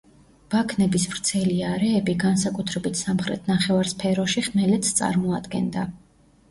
ბაქნების ვრცელი არეები, განსაკუთრებით სამხრეთ ნახევარსფეროში, ხმელეთს წარმოადგენდა.